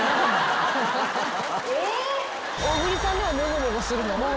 小栗さんでももごもごするの？